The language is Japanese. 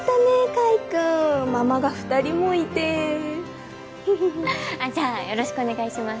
海くんママが二人もいてじゃあよろしくお願いします